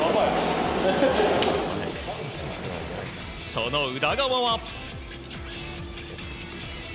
その宇田川は。